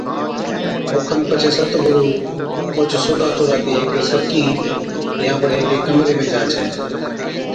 اوکن پڇي ست گُرُو اوھچ سودا چوڙاتِي ھيڪِي سرڪِي يا بڙي ھيڪي ڪمري ۾ جا ڇَي